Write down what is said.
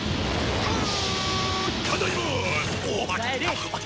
ただいま！